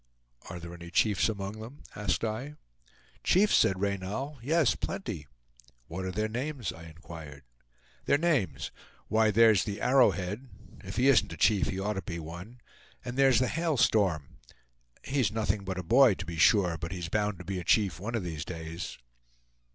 "Are there any chiefs among them?" asked I. "Chiefs?" said Reynal; "yes, plenty!" "What are their names?" I inquired. "Their names? Why, there's the Arrow Head. If he isn't a chief he ought to be one. And there's the Hail Storm. He's nothing but a boy, to be sure; but he's bound to be a chief one of these days!"